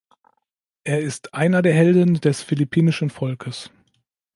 Er ist einer der Helden des philippinischen Volkes.